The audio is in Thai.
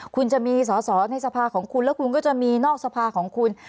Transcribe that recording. คุณจะมีสอสอในสภาของคุณแล้วคุณก็จะมีนอกสภาของคุณ